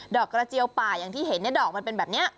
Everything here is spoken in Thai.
อกกระเจียวป่าอย่างที่เห็นดอกมันเป็นแบบนี้